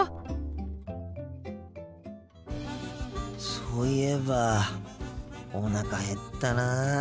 そういえばおなか減ったな。